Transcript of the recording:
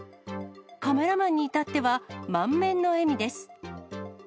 カメラマンに至っては、満面の笑みです。